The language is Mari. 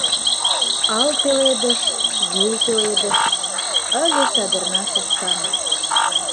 Ал пеледыш, гӱл пеледыш, Ыле садерна саскан.